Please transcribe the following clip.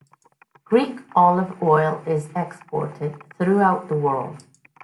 Greek olive oil is exported throughout the world.